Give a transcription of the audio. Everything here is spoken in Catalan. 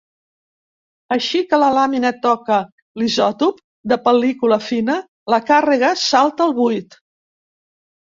Així que la làmina toca l'isòtop de pel·lícula fina, la càrrega salta el buit.